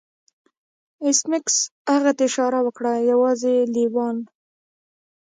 ایس میکس هغه ته اشاره وکړه یوازې لیوان